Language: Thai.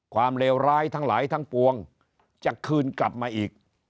เลวร้ายทั้งหลายทั้งปวงจะคืนกลับมาอีก